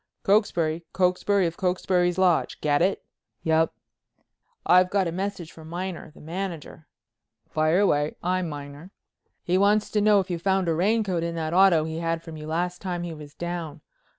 "Cokesbury, Cokesbury of Cokesbury Lodge—get it?" "Yep." "I've a message for Miner—the manager." "Fire away, I'm Miner." "He wants to know if you found a raincoat in that auto he had from you last time he was down?